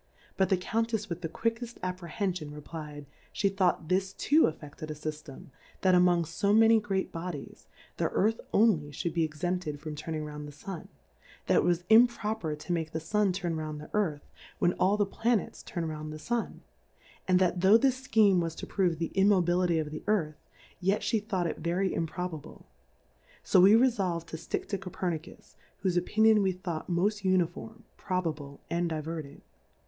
But the Cotintep with the quick eft Apprehenfion, replfd^ fhe thought this tooafFeded a Syftem, that among fo many great Bodies, the Earth only fliould be exempted from turning round the Sun ; that it was improper to make the Sun turn round the Earthy when all the Tlanets turn round the Sun ; and that tho' this Scheme was to prove the Immobility of the Earthy yet flie thought it very improbable : So we re folvM to ftick to Ccfernkus^ whofe Opi nion we thought moft Uniform, Pro bable, and Diverting.